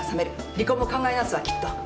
離婚も考え直すわきっと。